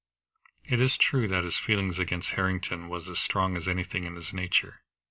It is true that his feeling against Harrington was as strong as anything in his nature.